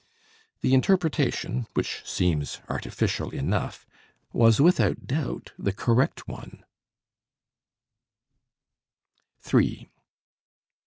The interpretation, which seems artificial enough, was without doubt the correct one.